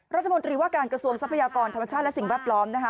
รัฐมนตรีว่าการกระทรวงทรัพยากรธรรมชาติและสิ่งแวดล้อมนะคะ